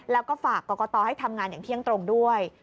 แล้วก็ฝากกรกตให้ทำงานอย่างเที่ยงตรงด้วย